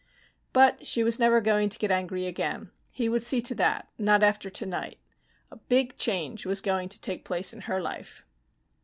But she was never going to get angry again. He would see to that. Not after tonight. A big change was going to take place in her life.